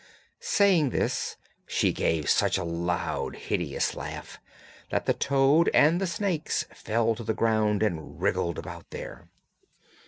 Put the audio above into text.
Saying this, she gave such a loud hideous laugh that the toad and the snakes fell to the ground and wriggled about there.